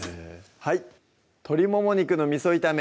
はい「鶏もも肉の味炒め」